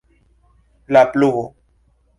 La pluvo.